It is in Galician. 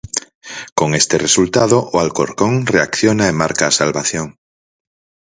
Con este resultado, o Alcorcón reacciona e marca a salvación.